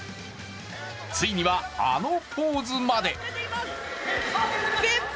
ついには、あのポーズまで。